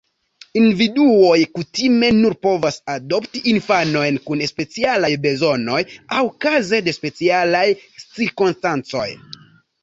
Individuoj kutime nur povas adopti infanojn kun specialaj bezonoj aŭ kaze de specialaj cirkonstancoj.